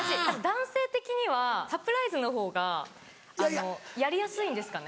男性的にはサプライズの方がやりやすいんですかね？